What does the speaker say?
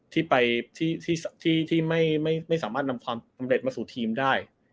ที่ไม่สามารถนำความสำเร็จมาสู่ทีมได้